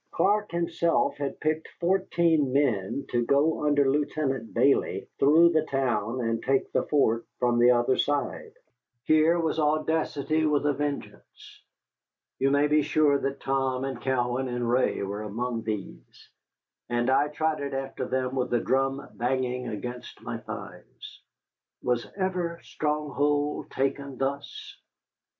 Clark himself had picked fourteen men to go under Lieutenant Bayley through the town and take the fort from the other side. Here was audacity with a vengeance. You may be sure that Tom and Cowan and Ray were among these, and I trotted after them with the drum banging against my thighs. Was ever stronghold taken thus?